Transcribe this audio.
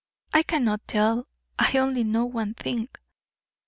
I cannot tell; I only know one thing."